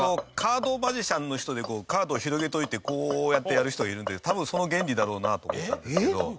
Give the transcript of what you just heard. カードマジシャンの人でカードを広げておいてこうやってやる人がいるんで多分その原理だろうなと思ったんですけど。